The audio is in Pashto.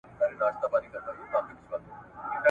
خاونده څه سول د ښار ښاغلي ,